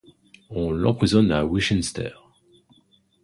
On l'emprisonne à Winchester.